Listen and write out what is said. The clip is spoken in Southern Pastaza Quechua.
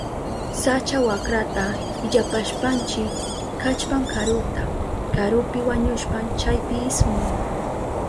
Sacha wakrata illapashpanchi kallpan karuta. Karupi wañushpan chaypi ismun.